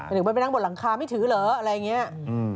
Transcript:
ถึงไปนั่งบนหลังคาไม่ถือเหรออะไรอย่างนี้